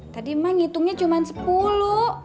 tadi mah ngitungnya cuma sepuluh